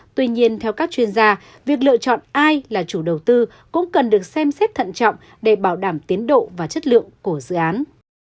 tuy nhiên theo các chuyên gia việc lựa chọn ai là chủ đầu tư cũng cần được xem xét thận trọng để bảo đảm tiến độ và chất lượng của dự án